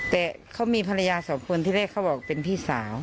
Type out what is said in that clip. แต่เขามีภรรยาสองคนที่แรกเขาบอกเป็นพี่สาว